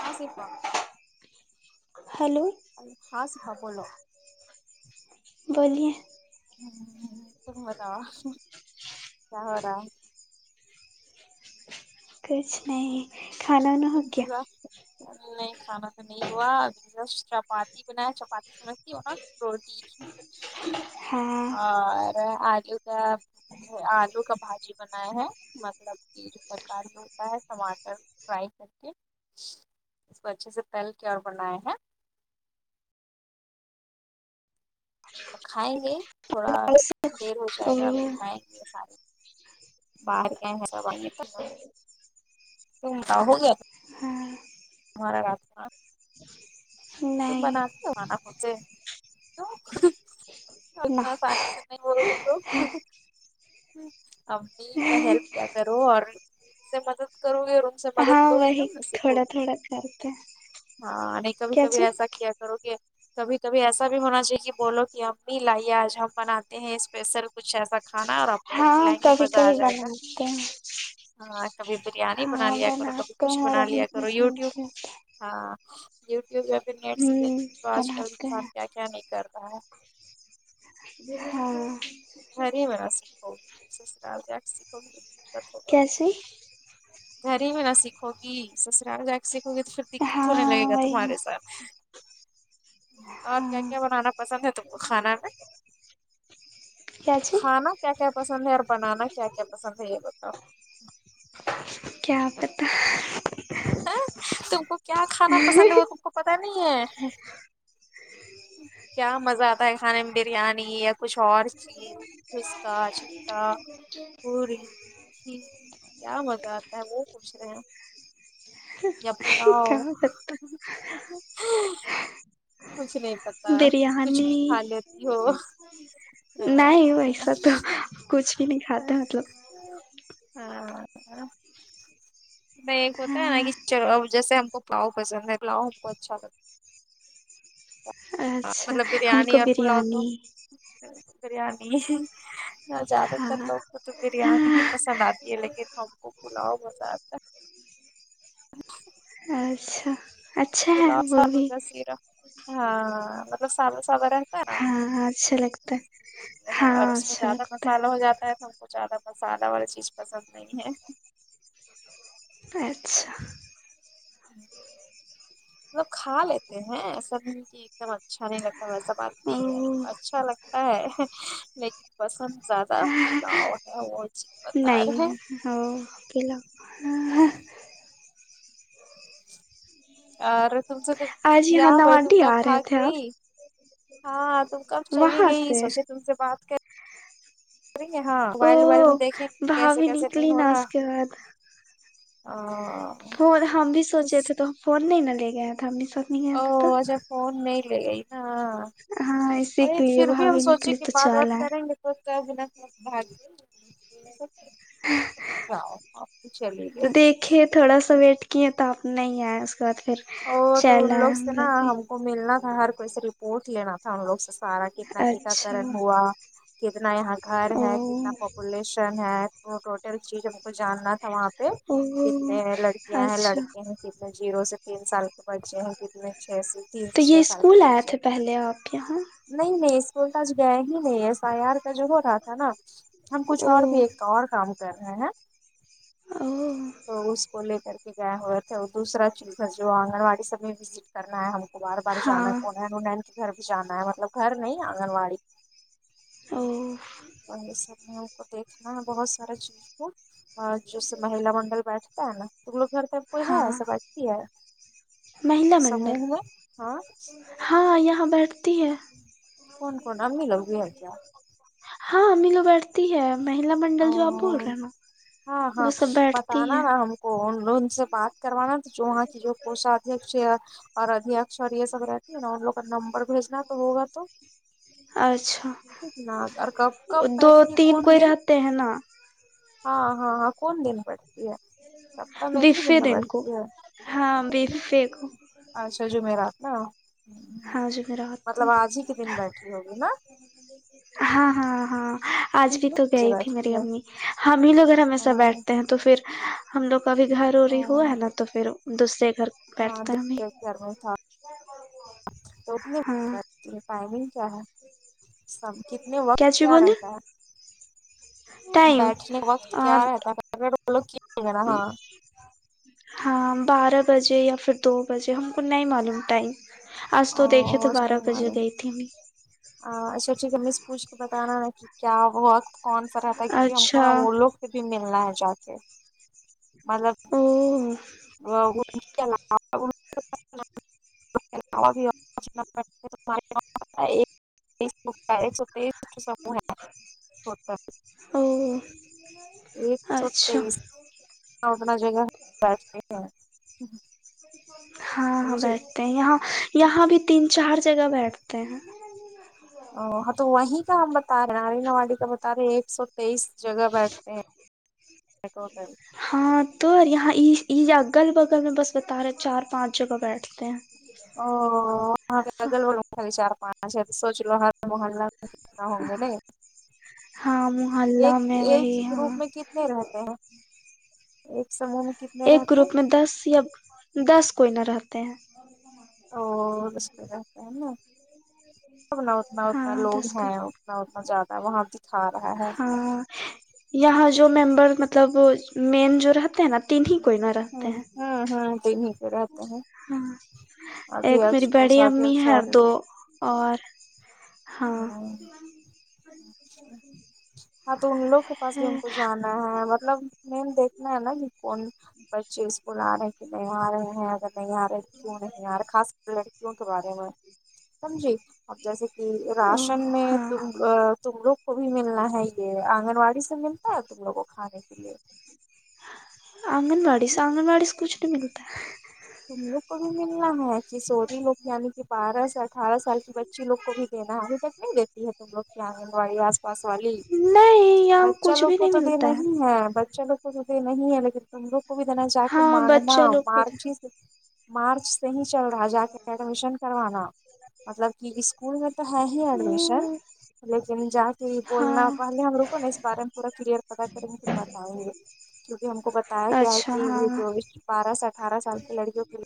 ہاں سپا ہیلو ہ س پا بولو بولیے ہ تم بتاؤ کیا ہو رہا ہے کچھ نہیں کھانا وانا ہو تم گیا پھر اؤ نہیں کھانا تو نہیں ہوا ابھی جسٹ چپاتی بنایا چپاتی سمجھتی ہو نا روٹی ہاں اور آگے کا آلو کا بھاجی بنایا ہے مطلب کہ جو ترکاری میں ہوتا ہے ٹماٹر فرائی کر کے اس کو اچھے سے تل کے اور بنائے ہیں کھائیں گے تھوڑا دیر ہو او جائے گا ابھی ائیں گے باہر گئے ہے سب آے گے [unintelligible] ہاں ہمارا رات خاں تم نہیں بناتی ہوں نہ کھنا مجھے نہ کیوں پیسے نہیں بول امی کا ہیلپ کیا کرو اور اس سے مدد کرو ی اور ان سے ہاں مدد لوگی وہی تب نہ سیککھو تھوڑا گی تھوڑا کرتے ہیں. ہاں نہیں کبھی کیا کبھی ایسا چیز کیا کرو گے کبھی کبھی ایسا بھی ہونا چاہیے کہ بولو کہ امی لائیے آج ہم بناتے ہیں اسپیشل کچھ ایسا کھانا ہے اور آپ لوگ کو ہاں کھلائیں گے کبھی مزہ آ کبھی جائے گا بناتے ہیں ہاں کبھی بریانی بنا ہاں لیا کرو کبھی بناتے کچھ ہیں اور بنا امی لیا کرو پسند یوٹیوب ہوں ہاں یوٹیوب یا پھر نیٹ سے دیکھ کے تو آج کل بناتے ہیں انسان کیا کیا نہیں کر رہا ہے ہاں تمہاری وجہ سے کوب سیسحال ریک کب [unintelligible] کیسے گھر ہی میں نہ سیکھو گی سسرال جا کے سیکھو گی تو پھر دقت ہونے ہاں لگے گا تو وہی نا اور کیا ہاں کیا بنانا پسند ہے تم کو کھانا میں کیا چیز کھانا کیا کیا پسند ہے اور بنانا کیا کیا پسند ہے یہ بتاؤ کیا بتا اچھا تم کو کیا کھانا پسند ہے وہ تم کو پتا نہیں ہے کیا مزہ آتا ہے کھانے میں بریانی یا کچھ اور چیز پچکا چکا پوری کھیر کیا مزہ آتا ہے وہ پوچھ رہے ہیں یا پلاؤ کیا پتا کچھ نہیں پتا کچھ بھی بریانی کھا لیتی ہو ہاں نہیں ویسا تو کچھ بھی نہیں کھاتا مطلب ہاں میں ہوتا ہے نا ہاں کہ چلو اب جیسے ہم کو پالاؤ پسند ہے پلاؤ ہم کو اچھا لگتا ہے اچھا مطلب ہم بریانی کو اور پلاؤ تو بریانی بریانی نہ زیادہ تر ہاں لوگ کو تو بریانی ہی ہاں پسند آتی ہے لیکن ہم کو پلاؤ پسند آتا ہے اچھا اچھا ہے پلاؤ وہ چاول بھی کا سیرا ہاں مطلب سادہ سادہ ہاں اچھا لگتا ہے اور ہاں اس میں اچھا زیادہ لگتا مسالہ ہو جاتا ہے س وہ زیادہ مسالا والی چیز پسند نہیں ہے اچھا مطلب کھا لیتے ہیں ایسا بھی نہیں کے اچھا نہیں لگتا ویسا بات نہیں ہے او اچھا لگتا ہے لیکن پسند زیادہ پلاؤ ہے وہ چیز بتا رہے ہمم پلاو ارے تم سے تو آج کیا یہاں بھائی تم نواڈی کب آ رہے بھاگ تھے آپ گئی ہاں تم کب چلی وہاں گئی سے سوچے تم سے بات کر ہاں او موبائل ووائل میں دیکھیں کیسے بھابھی کیسے نہیں نکلی ہو نا رہا اس کے او ف ہم بھی سوچے تھے تو فون نہیں ن لے گئے او اچھا فون نہیں لے گئی نا ہاں اسی وہی کے لیے پھر بھی ہم بھابھی سوچے نکلی کہ تو بات وات چل کریں آئے گے تو کیا بنا بھاگ د جاؤ آپ تو چلے گے کے تھوڑا سا ویٹ کیے تو آپ نہیں آئے اس کے بعد پھر او تو چل ان آئے لوگ ہم سے نا بھی ہم کو ملنا تھا ہر کوئی سے رپورٹ لینا تھا لوگ سے سارا کتنا اچھا ٹیکااکرن ہوا کتنا یہاں گھر او ہے کتنا پپولیشن ہے ٹوٹل چیز جاننا تھا وہاں پہ او کتنے لڑکیاں ہیں اچھا لڑکے ہیں کتنے جیرو سے تین سال تو بچے ہیں کتنے چھ سے تین سے تو چھ یہ سال کے اسکول آئے بچے تھے پہلے آپ یہاں نہیں نہیں اسکول تو آج گئے ہی نہیں ایس آئی آر کا جو ہو رہا تھا نا ہم کچھ او اور بھی اور کام کر رہے ہیں او تو اس کو لے کر کے گئے ہو دوسرا چیز ہے جو آنگن واڑی سب میں وزٹ کرنا ہے ہم کو بار بار جانا ہاں کون ہے نونین کے گھر پہ جانا ہے مطلب گھر نہیں آنگن واڑی او اور یہ سب میں ان کو دیکھنا ہے بہت سارے چیز کو اور جیسے مہیلا منڈل بیٹھ گھر پے کوئی ہے ہاں ایسا باتتی ہے مہیلا منڈل سموہ میں ہاں ہاں یہاں بیٹھتی ہے کون کون امی لوگ بھی ہے کیا ہاں امی لوگ بیٹھتی ہے مہیلا منڈل جو آپ بول اور رہے ہیں نا ہاں ہاں وہ سب بیٹھتی بتانا ہے نا ہم کو ان لوگ سے بات کروانا جو وہاں کی جو پوش [unintelligible] اور ادی اور اکشر یہ سب رہتی ہے نا ان لوگ نمبر بھیجنا تو ہوگا تو اچھا ٹھیک نا اور کب کب بیٹھتی کون دن تھے ہے نا ہاں ہاں ہاں کون دن پ سب تم ایک ھی دن وفے میں کو بیٹھتی ہے ہاں وفے کو اچھا جمعرات نا ہاں جمعرات کو مطلب آج ہی کے دن بیٹھی ہوگی نا ہاں ہاں ہاں آج بھی کتنے تو بجے گئی تھی میری بیٹھتی ہے امی ہم ہی لوگ ا ہمیشہ او بیٹھتے ہیں تو پھر ہم لوگ کا بھی گھر ہو رہی ہوا او ہے نا تو پھر دوسرے گھر بیٹھتے ہیں ہمیں [unintelligible] تو ہاں ٹائمنگ کیا ہے سب کتنے وقت چی کیا بولے رہتا ہے ٹائم بیٹھنے وقت کیا رہتا ہے اگر ولوگ کیا ہاں ج ہاں بارہ بجے یا پھر دو بجے ہم کو نہیں معلوم ٹائم آج تو دیکھے تو بارہ بجے گئی تھی میں آ اچھا ٹھیک ہے مس پوچھ کو بتانا نا کہ کیا وہت کون سا رہتا ہے کیونکہ ہم کو اچھا نا وہ لوگ سے بھی ملنا ہے جا کے مطلب ہمم [unintelligible] [unintelligible] ایک سو تیس او ایک سو اچھا تئیس [unintelligible] ہاں ہاں بیٹھتے ہیں یہاں یہاں بھی تین چار جگہ بیٹھتے ہیں او ہا تو وہیں کا ہم بتا رہے نارینا واڑی کا بتا رہے ہیں ایک سو تیئیس جگہ بیٹھتے ہیں ٹوٹل ہاں تو یہاں اگل بگل میں بس بتا رہے چار پانچ جگہ بیٹھتے ہیں او اگل بگل ہے چار پناچ ہے سوچ لو محلہ میں جتنا ہوں گے نے ہاں ایک محلہ میں ایک وہی ہاں گروپ میں کت تے رہتے ہیں ایک سمے میں کتنے ایک رہتے ہیں گروپ میں دس یا دس کوئ نا رہتے ہیں اور اس کو رہتا ہیں نا اتنا اتنا اتنا ہاں لوگ دس کوئی ہیں اتنا اتنا جیادہ ہے وہاں بھی کھا رہا ہے ہاں یہاں جو ممبر مطلب میم جو رہتے ہیں نا تین ہی کوئی نا رہتے ہیں ہمم ہمم تین ہی تو رہتے ہے ہاں ایک میری بڑی امی ہے دو اور ہاں ہاں تو ان لوگ کے پاس بھی ان کو جان مطلب مین دیکھنا ہے نا کی کون بچے اسکول آ رہے کہ نہیں آ رہے ہیں اگر نہیں آ رہے کیوں نہیں آ رہے خاص کر لڑکیوں کے بارے میں سمجھی اب جیسے کی راشن میں ہاں تم آ تم لوگ کو بھی ملنا ہے یے آنگن واڑی سے ملتا ہے تم لوگ کو کھانے کے لیے آنگن واڑی سے آنگن واڑی سے کچھ نہیں ملتا تم لوگ کو بھی ملنا ہے کی سوری لوگ یعنی کی بارہ سا اٹھارہ سال کی بچی لوگ کو بھی دینا ابھی تک نہیں دیتی ہے تم لوگ کی آنگن وڑی آ پاس والی نہیں یہاں بچہ کچھ لوگ بھی کو نہیں تو ملتا دینا ہی ہے بچہ لوگ تم لوگ کیلیے نہیں ہے لیکن تم لوگ کو بھی دینا جا کے ہاں مانگنا بچے لوگ مارچیز مارچ سے ہی چل رہا جا کے ایڈمیشن کروانا مطلب کی اسکول میں تو ہے ہی ایڈمیشن کو لیکن جا کے یے ہاں بولنا پہلے ہم لوگ کو نا اس بارے میں پورا کلیئر پتا کریں گے فیر بتائیں گے کیونکی ہم کو بتایا گیا ہے اچھا کی ہاں جو بارہ سے اٹھارہ سال کی لڑکیوں کے لے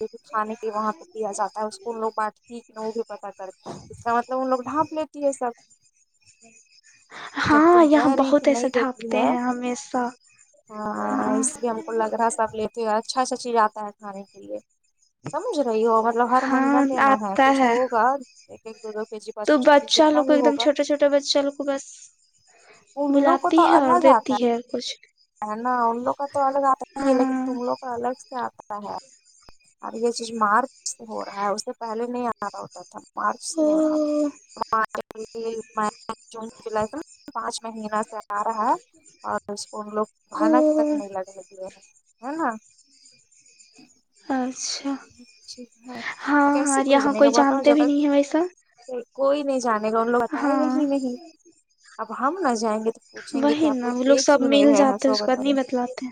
جو کچھ کھانے کے وہاں پے دیا جاتا ہے اس کو [unintelligible] پتا کرتے ہے اس کا مطلب ان لوگ ٹھانپ لیتی ہے سب [inaudible] جب ہاں تم یہاں کہہ رہی کہ بہت ایسے نہیں دیتی ڈھاپتے ہے ہیں ہمیسہ ہاں آ اس لیے ہم لگ رہا سب لیتی ہو اچھا سہ چیز آتا ہے کھانے کے لیے سمجھ رہی ہو مطلب ہر مہینہ ہاں دینا ہے آتا کچھ ہوگا ایک ایک دو دو کے جی پانچ تو پانچ کے جی بچہ جتنا لوگ کو بھی ایک دم ہوگا چھوٹے چھوٹے بچہ لو کو بس ان لوگ کو بلاتی تو ہے اور الگ دیتی آتا ہے کچھ ہے نا ان لوگ کا تو الگ آتا ہی لیکن ہاں تم لوگ کا الگ سے آتا ہے ارے یے چیز مارچ سے ہو رہا ہے اس سے پہلے نہیں آ تا ہوتا تھا مارچ سے او ہو [unintelligible] مئی جون جولائی سے پانچ مہینہ سے آ رہا ہے اور اس کو ان لوگ او بھانک تک نہیں لگنے دیے ہیں نا آچھا ہاں کیسے ہاں کوئی یہاں جانے گا بتاؤ جانتے جب بھی نہیں ہے ویسا تک کوئی نہیں جانے گا ان لوگ بتائے ہاں ہی نہیں اب ہم نا جائیں گے پوچھیں گے کی وہی آپ نا لوگ وہ دے سب کیوں نہیں مل رہا جاتے ہیں سو اس کے بعد نہیں بتایئے بتلاتے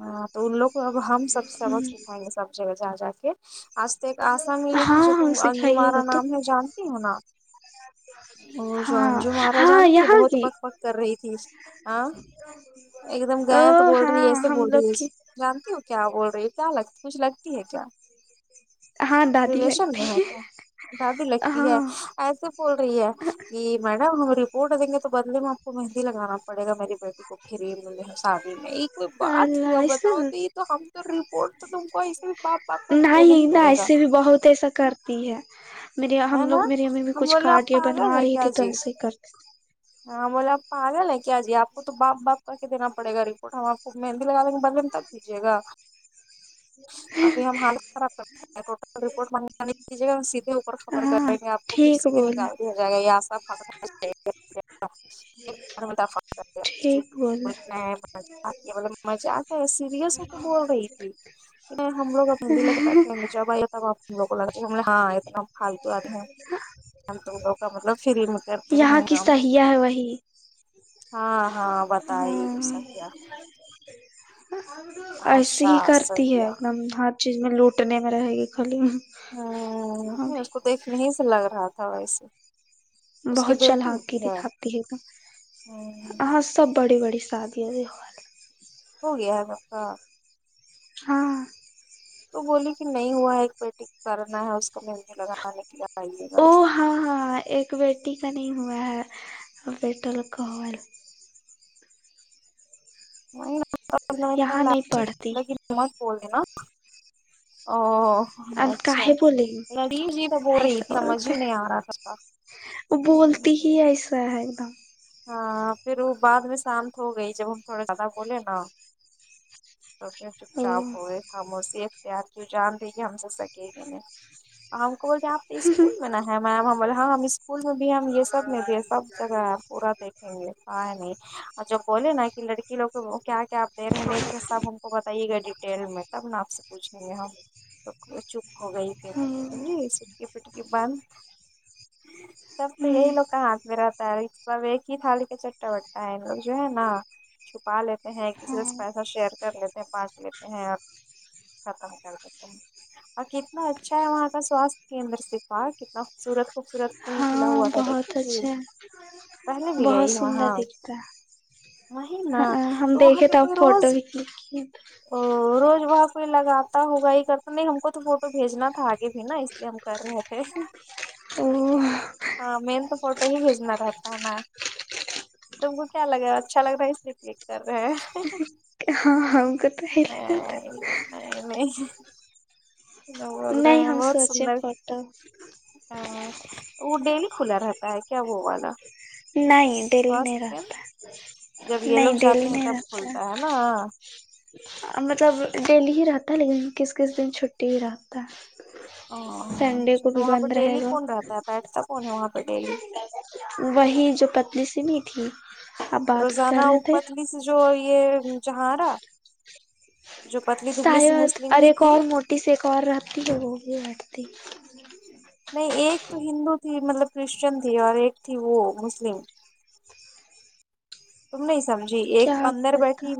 ہاں تو ان لوگ کو اب ہم سب سبق ہیں سکھائیں گے سب جگہ جا جا کے آج سے ایک آسا ملی تھی ہاں ہاں سکھائیے گا تو [unintelligible] جانتی ہو نا وہ جان ہاں جو مارا ہاں جاتنی وہ یہاں بہت کی بک بک کر رہی تھی اس آ ایک دم گیا تو او بول رہی ہاں ایسے ہم بول رہی لوگ ہے کی سے جانتی ہو کیا بول رہی ہو کیا لگ کچھ لگتی ہے کیا ہاں دادی ریلیشن لگتی میں ہے کیا دادی لگتی ہے ہاں ایسے بول رہی ہے کی میڈم ہم رپورٹ دیں گے تو بدلے میں آپ کو مہندی لگانا پڑے میری بیٹی پھر [unintelligible] شادی میں یی کوئی بات اللہ ہوا ایسے بتاؤ تو یے تو ہم تو اور تو تم کو ایسے پات پات پے نہیں نا ایسے بھی بہت ایسا کرتی ہے میرے ہے ہم نا لوگ میری امی بھی ہم کچھ بولے آپ کاٹیا پاگل بنوا رہی تھی تم سے کر ہاں بولے پاگل ہے کیا جی آپ کو تو بات بات کر کے دیناڑے گا رپورٹ ہم آپ کو مہندی لگ دیں گے بے جیے گا ابھی ہم حال خراب [inaudible] سیدھے خبر کر ہاں رہیں گے آپ کو پھر ٹھیک سیدھے نکال بولے دیا جائے گا ٹھیک بولے [unintelligible] آ کے مطلب مجاک ہے سیریس ہو کے بول رہی تھی کی نہیں ہم لوگ اب مہندی لے کے بیٹھے گے جب آیے گا تب آپ ہم لوگ کو لگایئے گا تو ہم نے ہاں اتنا پھالتو آدمی ہیں ہم تو لگ کا مطلب فری میں کرتے رہیں یہاں گے کی صحح آ ہے وہی ہاں ہاں بتائی ایسا کیا ایسیے آشا ہی کرتی ہے صحیح ہ ایک دم ہھ چیز میں لوٹنے میں رہے گی خالی ہوں نہیں اس کو دیکھنے ہی سے لگ رہا تھا ویسے اس کی بہت چل بیٹی کے اٹھی دکھاتی ہے گ ہوں ہ سب بڑی بڑی ساد پ ہوگے آگپا ہاں تو بولی کہ نہیں ہوا ہے ایک بیٹی کرنا ہے اس کا مہندی لگانا او ہاں ہاں ایک بیٹی کا نہیں ہوا ہے بیٹا لوگ کا نہیں [unintelligible] یہاں نہیں پڑھتی بول دے نا او اب اچھا کاہے بولے گی لڑیف جی تو ب رہی ایسا اتنا مزے بولتے ہی نہیں آ رہا تھا وہ بولتی ہی جی ایسا ہے ایک دم ہاں پھر وہ بعد میں شانت ہو گئی جب ہم تھوڑے زیادہ بولے نا تو پھر چپ او چاپ ہوئے ہم اسی اختیار کیوں جان رہ گی ہم س سکے گی میں ہم کو بولے ہیں آپ اسکول میں نا ہے میم ہم ولاں ہم اسکول میں بھی ہم یہ سب میں بھی ہے جگہ ہے پورا دیکھیں گے کہ ہے نہیں اور جب بولے نا کہ لڑکی لوگ کو کیا کیاپ دے رہے نہیں دے رہے سب ہم وہ بتائیے گا ڈیٹیل میں تب آپ سے پوچھیں گے ہم وہ چپ ہو گئی پھر ہوں سمج سٹکی پٹکی باند سب تو ہوں یہی لوگ کا ہاتھ میں رہتا ہے سب ایک ہی تھالی کا چٹا بٹا ہے ان لوگ جو ہے نا چھپا لیتے ہیں ایک دوسرے ہاں سے پیسہ شیئر کر لیتے ہیں بانٹ لیتے ہیں اور ختم کر کرتے ہیں کتنا اچھا ہے وہاں کا سواستھ کیندر سفا کتنا خوبصورت خوبصورت پول کھلا ہاں ہوا تھا دیکھی بہت تھی اچھا پہلے بھی بہت گئی سندر وہاں دکھتا وہی نا ہاں ہم دیکھے تو فوٹو بھی کھینچ ہ روز وہاں کوئی لگاتا ہوگا یہ کرتا نہیں ہم کو تو فوٹو بھیجنا تھا آگے بھی نا اس لیے ہم کر رہے تھے اور ہاں میم کو فوٹو ہی بھیجنا رہتا ہے نا تم کو کیا لگا اچھا لگ رہا ہے اس لیے کلک کر رہے ہیں ہاں ہم کو تو یہی لگاتا نہیں نہیں بول رہے نہیں ہیں ہم بہت سوچے سندر فوٹو وہ ڈیلی کھلا رہتا ہے کیا وہ والا نہیں ڈیلی سواستھ نہیں کیندر؟ رہتا جب ہے یہ لوگ نہیں جاتے ڈیلی ہیں نہیں تب رہتا ہے کھلتا نا مطلب ڈیلی ہی رہتا ہے لیکن کس کس دن چھٹی رہتا ہے او سنڈے اچھا کو تو بھی وہاں پہ بند رہے ڈیلی گا کون رہتا ہے بیٹھتا کون ہے وہاں پہ ڈیلی وہی جو پتلی سی نہیں تھی آپ بات کر روزانہ رہے وہ تھے پتلی سے جو یہ جھارا جو پتلی دبلی سے مسلم ہی تھی سی ایک اور رہتی تو وہ بھی بیٹھتی نہیں ایک تو ہندو تھی مطلب کرشچن تھی اور ایک تھی وہ مسلم تم نہیں سمجھی کیا ایک اندر پتا بیٹھی